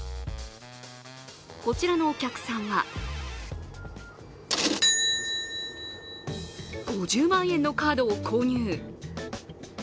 こちらのお客さんは５０万円のカードを購入。